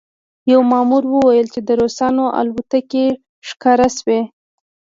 یوه مامور وویل چې د روسانو الوتکې ښکاره شوې